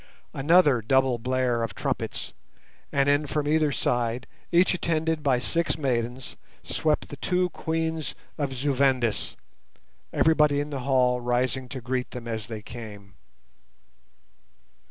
Another double blare of trumpets, and in from either side, each attended by six maidens, swept the two Queens of Zu Vendis, everybody in the hall rising to greet them as they came.